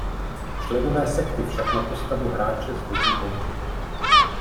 Členové sekty však na postavu hráče shodí bombu.